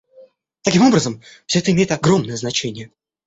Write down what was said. Таким образом, все это имеет огромное значение.